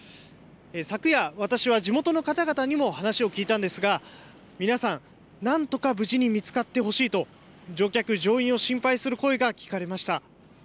昨夜、私は地元の方々にも話を聞いたんですが、皆さん、なんとか無事に見つかってほしいと、乗客・乗員を心配する声が聞かれました。